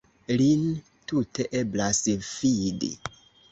Lin tute eblas fidi.